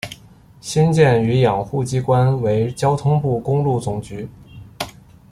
新建与养护机关为交通部公路总局。